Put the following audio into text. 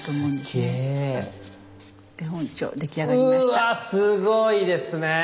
うわすごいですね。